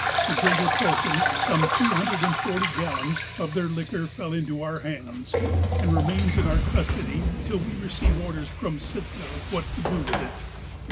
The greater por tion — some 240 gallons — of their liquor fell into our hands, and remains in our custody till we receive orders from Sitka what to do with it.